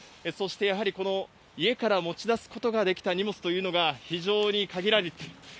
そしてやはりこの家から持ち出すことができた荷物というのが非常に限られている。